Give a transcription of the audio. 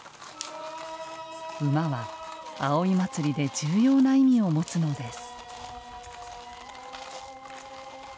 馬は葵祭で重要な意味を持つのです。